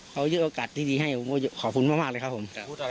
เขายึดโอกาสที่ดีให้ผมก็ขอบคุณมากเลยครับผม